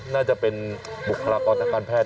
น่าจะเป็นบุคลากรทางการแพทย